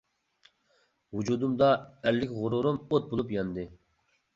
ۋۇجۇدۇمدا ئەرلىك غۇرۇرۇم ئوت بولۇپ ياندى.